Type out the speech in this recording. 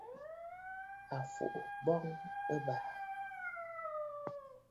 À fùʼu mboŋ ɨ̀bàà!